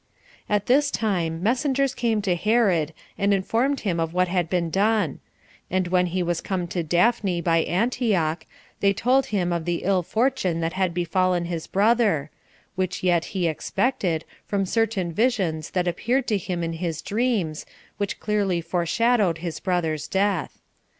At this time messengers came to Herod, and informed him of what had been done; and when he was come to Daphne by Antioch, they told him of the ill fortune that had befallen his brother; which yet he expected, from certain visions that appeared to him in his dreams, which clearly foreshowed his brother's death.